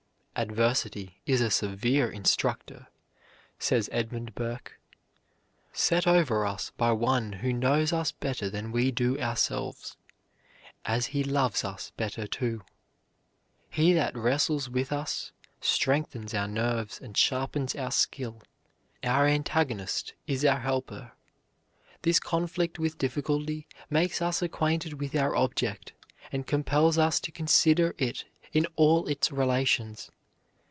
"Adversity is a severe instructor," says Edmund Burke, "set over us by one who knows us better than we do ourselves, as he loves us better too. He that wrestles with us strengthens our nerves and sharpens our skill. Our antagonist is our helper. This conflict with difficulty makes us acquainted with our object, and compels us to consider it in all its relations.